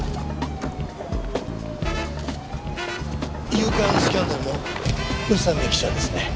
『夕刊スキャンダル』の宇佐美記者ですね。